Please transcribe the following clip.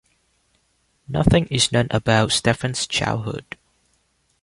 Nothing is known about Stefan's childhood.